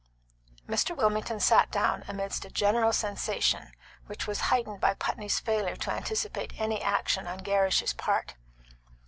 Mr. Wilmington sat down amidst a general sensation, which was heightened by Putney's failure to anticipate any action on Gerrish's part.